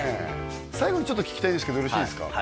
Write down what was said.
最後に聞きたいんですけどよろしいですか？